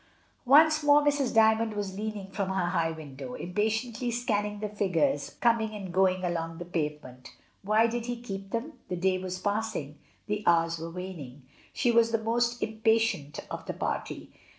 Once, more Mrs. Dymond was leaning from her high window, impatiently scanning the figures com ing and going along the pavement Why did he keep them? The day was passing, the hours were waning. She was the most impatient of the party.